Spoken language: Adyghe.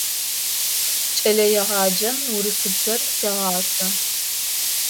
Кӏэлэегъаджэм урысыбзэр сегъашӏэ.